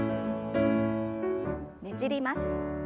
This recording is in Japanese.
ねじります。